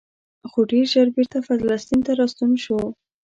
خو ډېر ژر بېرته فلسطین ته راستون شو.